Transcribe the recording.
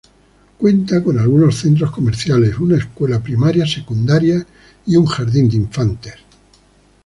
Cuenta con algunos centros comerciales, una escuela primaria, secundario y jardín de infantes.